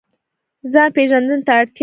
ځان پیژندنې ته اړتیا لري